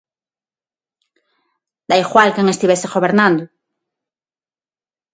Dá igual quen estivese gobernando.